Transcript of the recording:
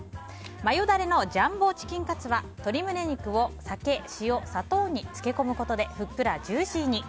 マヨダレのジャンボチキンカツは鶏胸肉を酒、塩、砂糖に漬け込むことでふっくらジューシーに。